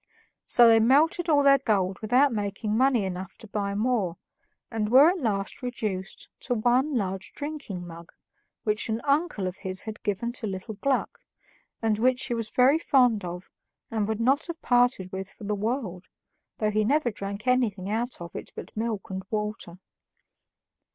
So they melted all their gold without making money enough to buy more, and were at last reduced to one large drinking mug, which an uncle of his had given to little Gluck, and which he was very fond of and would not have parted with for the world, though he never drank anything out of it but milk and water.